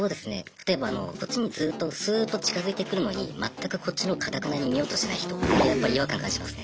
例えばあのこっちにずっとスーッと近づいてくるのに全くこっちのほう頑なに見ようとしない人やっぱり違和感感じますね。